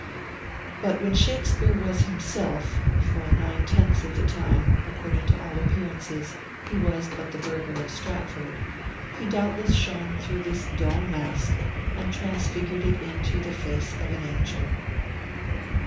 But when Shakespeare was himself (for nine tenths of the time, according to all appearances, he was but the burgher of Stratford), he doubtless shone through this dull mask and transfigured it into the face of an angel.